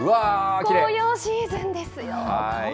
紅葉シーズンですよ。